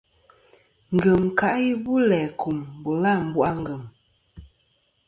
Ngem ka i bu læ kum bula àmbu' a ngèm.